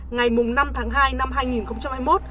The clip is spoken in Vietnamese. ngày năm tháng hai năm hai nghìn hai mươi một